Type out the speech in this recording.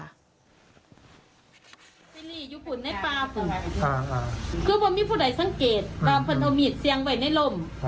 ยุคุณในปลาพุกคือผมไม่พอได้สังเกตบางพันธมีตเสี่ยงไว้ในร่ม